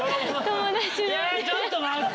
ちょっと待って！